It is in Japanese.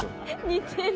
似てる。